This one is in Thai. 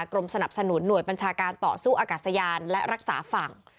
กรมสนับสนุนหน่วยบัญชาการต่อสู้อากาศยานและรักษาฝั่ง